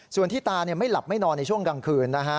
ส่วนที่ตาไม่หลับไม่นอนในช่วงกลางคืนนะฮะ